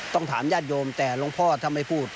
ต้องถามญาติโยมแต่หลวงพ่อทำไมพูด